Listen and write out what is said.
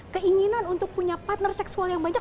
keinginan untuk punya partner seksual yang banyak